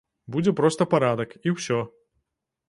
Будзе проста парадак і ўсё.